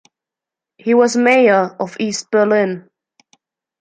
He was Mayor of East Berlin.